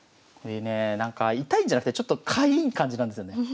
これね痛いんじゃなくてちょっとかゆい感じなんですよね。